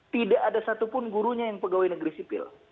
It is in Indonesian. tidak ada satupun gurunya yang pegawai negeri sipil